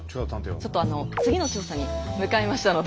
ちょっとあの次の調査に向かいましたので。